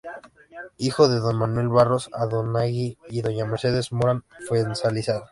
Hijo de don Manuel Barros Andonaegui y doña Mercedes Morán Fuenzalida.